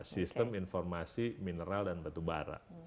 sistem informasi mineral dan batu bara